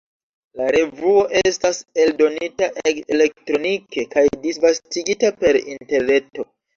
La revuo estas eldonita elektronike kaj disvastigita per interreto.